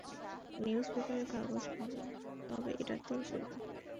নিউজপেপারের কাগজ ভাল, তবে এটাতেও চলবে।